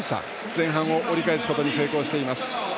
前半を折り返すことに成功しています。